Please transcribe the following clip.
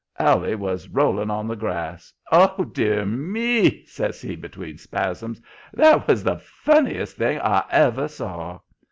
"Allie was rolling on the grass. 'Oh, DEAR me!' says he, between spasms. 'That was the funniest thing I ever saw.'